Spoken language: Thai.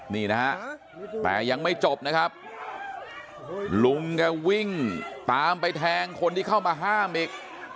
นี่นะฮะแต่ยังไม่จบนะครับลุงแกวิ่งตามไปแทงคนที่เข้ามาห้ามอีก